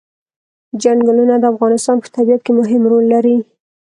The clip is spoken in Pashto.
چنګلونه د افغانستان په طبیعت کې مهم رول لري.